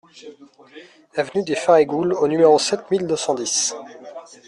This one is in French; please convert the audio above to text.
Avenue des Farigoules au numéro sept mille deux cent dix